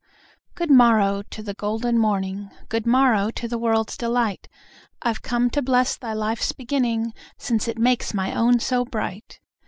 Good morrow to the golden morning, Good morrow to the world's delight— I've come to bless thy life's beginning, Since it makes my own so bright!